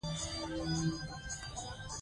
بیرغ یې له لاسه لوېدلی وو.